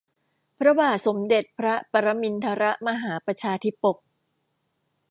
พระบาทสมเด็จพระปรมินทรมหาประชาธิปก